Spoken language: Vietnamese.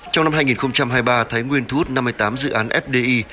trong năm hai nghìn hai mươi ba thái nguyên thu hút năm mươi tám dự án fdi